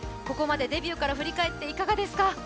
ここまでデビューから振り返っていかがですか？